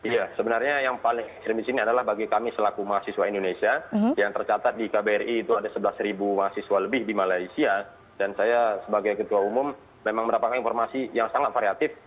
ya sebenarnya yang paling krimis ini adalah bagi kami selaku mahasiswa indonesia yang tercatat di kbri itu ada sebelas mahasiswa lebih di malaysia dan saya sebagai ketua umum memang mendapatkan informasi yang sangat variatif